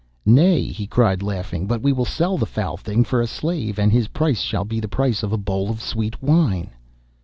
'Nay,' he cried, laughing, 'but we will sell the foul thing for a slave, and his price shall be the price of a bowl of sweet wine.